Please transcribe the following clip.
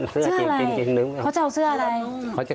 อ๋อเสื้ออะไรเขาจะเอาเสื้ออะไร